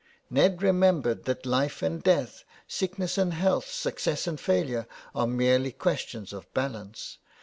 Ned remembered that life and death, sickness and health, success and failure are merely questions of balance.